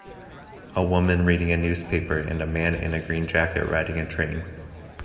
A woman reading a newspaper and a man in a green jacket riding a train.